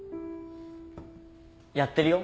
やってるよ。